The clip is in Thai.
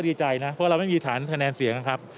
เพราะว่าเราไม่มีฐานคะแนนเสียงครับ